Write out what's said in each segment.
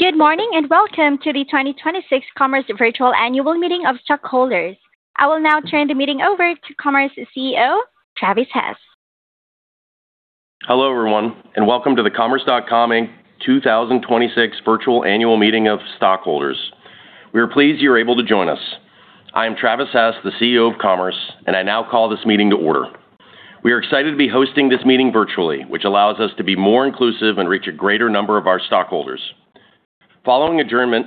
Good morning, and welcome to the 2026 Commerce virtual annual meeting of stockholders. I will now turn the meeting over to Commerce CEO Travis Hess. Hello, everyone, and welcome to the Commerce.com, Inc. 2026 virtual annual meeting of stockholders. We are pleased you are able to join us. I am Travis Hess, the CEO of Commerce, and I now call this meeting to order. We are excited to be hosting this meeting virtually, which allows us to be more inclusive and reach a greater number of our stockholders. Following adjournment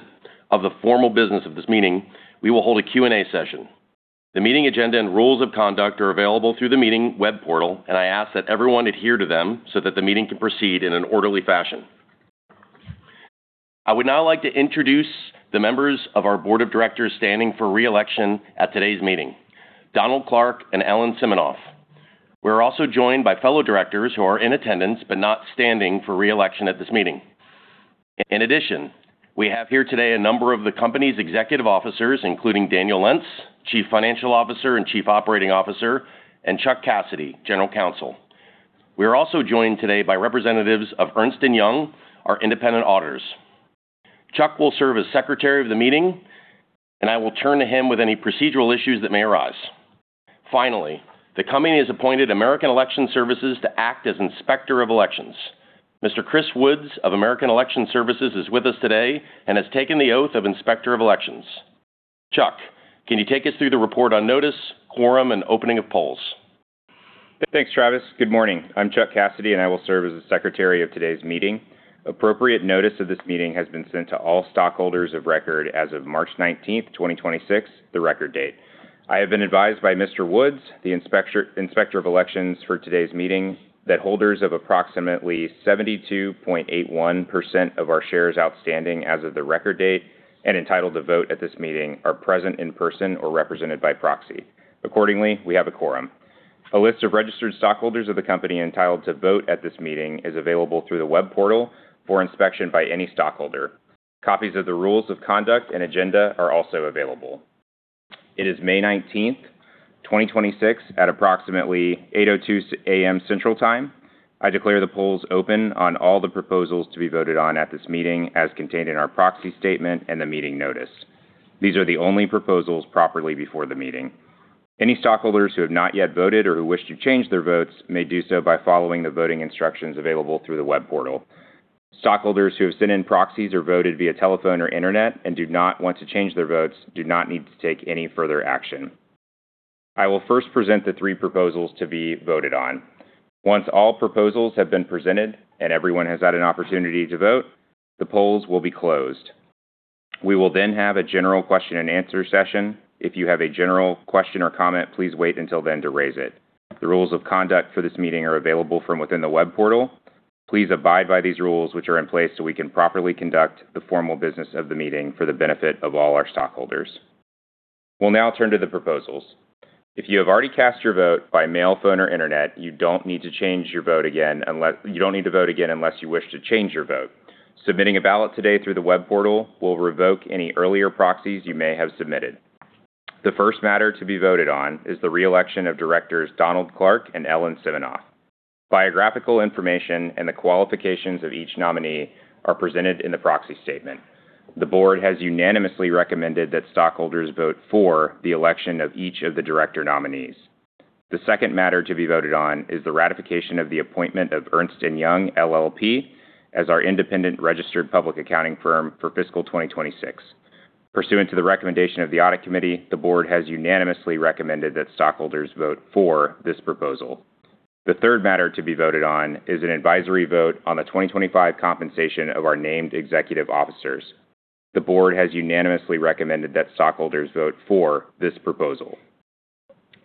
of the formal business of this meeting, we will hold a Q&A session. The meeting agenda and rules of conduct are available through the meeting web portal, and I ask that everyone adhere to them so that the meeting can proceed in an orderly fashion. I would now like to introduce the members of our Board of Directors standing for re-election at today's meeting, Donald Clarke and Ellen Siminoff. We're also joined by fellow directors who are in attendance but not standing for re-election at this meeting. In addition, we have here today a number of the company's executive officers, including Daniel Lentz, Chief Financial Officer and Chief Operating Officer, and Chuck Cassidy, General Counsel. We are also joined today by representatives of Ernst & Young, our independent auditors. Chuck will serve as secretary of the meeting, and I will turn to him with any procedural issues that may arise. Finally, the company has appointed American Election Services to act as Inspector of Elections. Mr. Christopher J. Woods of American Election Services is with us today and has taken the oath of Inspector of Elections. Chuck, can you take us through the report on notice, quorum, and opening of polls? Thanks, Travis. Good morning. I will serve as the secretary of today's meeting. Appropriate notice of this meeting has been sent to all stockholders of record as of March 19th, 2026, the record date. I have been advised by Mr. Woods, the Inspector of Elections for today's meeting, that holders of approximately 72.81% of our shares outstanding as of the record date and entitled to vote at this meeting are present in person or represented by proxy. Accordingly, we have a quorum. A list of registered stockholders of the company entitled to vote at this meeting is available through the web portal for inspection by any stockholder. Copies of the rules of conduct and agenda are also available. It is May 19th, 2026, at approximately 8:02 A.M. Central Time. I declare the polls open on all the proposals to be voted on at this meeting as contained in our proxy statement and the meeting notice. These are the only proposals properly before the meeting. Any stockholders who have not yet voted or who wish to change their votes may do so by following the voting instructions available through the web portal. Stockholders who have sent in proxies or voted via telephone or internet and do not want to change their votes do not need to take any further action. I will first present the three proposals to be voted on. Once all proposals have been presented and everyone has had an opportunity to vote, the polls will be closed. We will then have a general question and answer session. If you have a general question or comment, please wait until then to raise it. The rules of conduct for this meeting are available from within the web portal. Please abide by these rules which are in place so we can properly conduct the formal business of the meeting for the benefit of all our stockholders. We'll now turn to the proposals. If you have already cast your vote by mail, phone, or internet, you don't need to vote again unless you wish to change your vote. Submitting a ballot today through the web portal will revoke any earlier proxies you may have submitted. The first matter to be voted on is the re-election of directors Donald Clarke and Ellen Siminoff. Biographical information and the qualifications of each nominee are presented in the proxy statement. The board has unanimously recommended that stockholders vote for the election of each of the director nominees. The second matter to be voted on is the ratification of the appointment of Ernst & Young LLP as our independent registered public accounting firm for fiscal 2026. Pursuant to the recommendation of the audit committee, the board has unanimously recommended that stockholders vote for this proposal. The third matter to be voted on is an advisory vote on the 2025 compensation of our named executive officers. The board has unanimously recommended that stockholders vote for this proposal.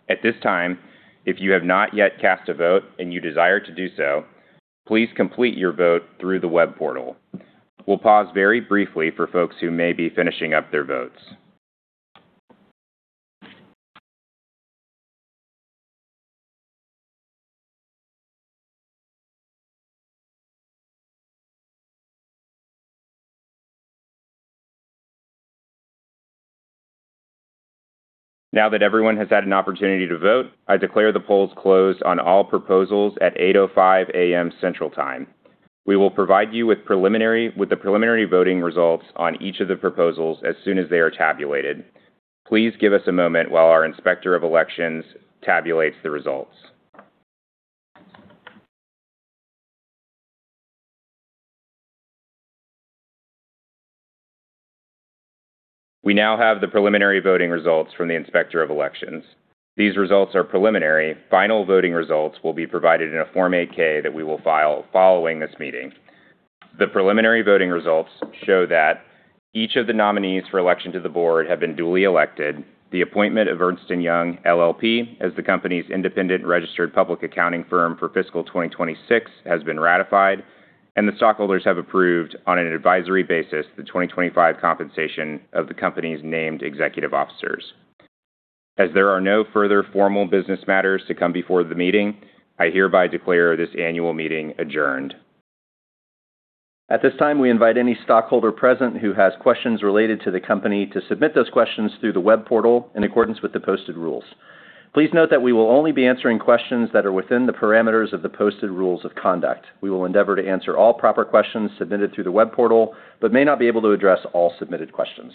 At this time, if you have not yet cast a vote and you desire to do so, please complete your vote through the web portal. We'll pause very briefly for folks who may be finishing up their votes. Now that everyone has had an opportunity to vote, I declare the polls closed on all proposals at 8:05 A.M. Central Time. We will provide you with the preliminary voting results on each of the proposals as soon as they are tabulated. Please give us a moment while our Inspector of Elections tabulates the results. We now have the preliminary voting results from the Inspector of Elections. These results are preliminary. Final voting results will be provided in a Form 8-K that we will file following this meeting. The preliminary voting results show that each of the nominees for election to the board have been duly elected, the appointment of Ernst & Young LLP as the company's independent registered public accounting firm for fiscal 2026 has been ratified, and the stockholders have approved on an advisory basis the 2025 compensation of the company's named executive officers. As there are no further formal business matters to come before the meeting, I hereby declare this annual meeting adjourned. At this time, we invite any stockholder present who has questions related to the company to submit those questions through the web portal in accordance with the posted rules. Please note that we will only be answering questions that are within the parameters of the posted rules of conduct. We will endeavor to answer all proper questions submitted through the web portal but may not be able to address all submitted questions.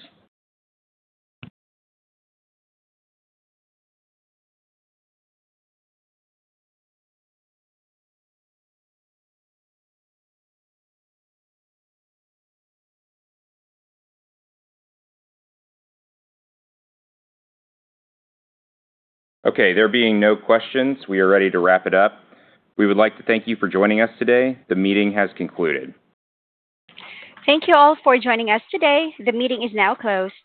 Okay, there being no questions, we are ready to wrap it up. We would like to thank you for joining us today. The meeting has concluded. Thank you all for joining us today. The meeting is now closed.